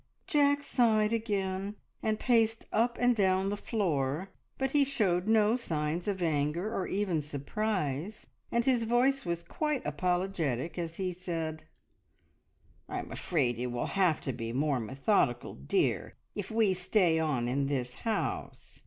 Jack sighed again, and paced up and down the floor, but he showed no signs of anger or even surprise, and his voice was quite apologetic as he said "I'm afraid you will have to be more methodical, dear, if we stay on in this house.